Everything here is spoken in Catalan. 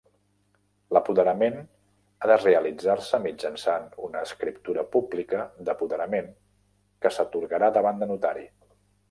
L'apoderament ha de realitzar-se mitjançant una escriptura pública d'apoderament que s'atorgarà davant de notari.